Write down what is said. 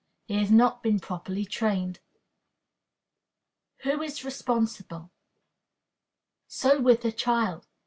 He has not been properly trained. Who is Responsible? So with the child.